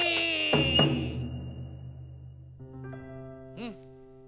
うん。